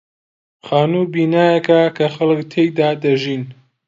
خانوو بینایەکە کە خەڵک تێیدا دەژین.